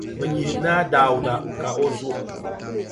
Bɛ nyihi Naa Dauda ka o zo.